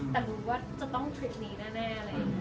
แต่รู้ว่าจะต้องทริปนี้แน่